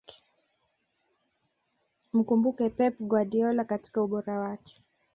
mkumbuke pep guardiola katika ubora wake